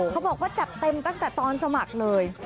เขาบอกว่าจัดเต็มตั้งแต่ตอนสมัครเลย